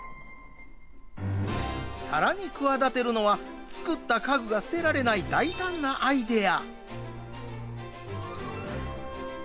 さらに企てるのは作った家具が捨てられない大胆なアイデア。